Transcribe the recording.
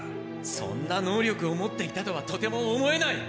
そんな能力を持っていたとはとても思えない！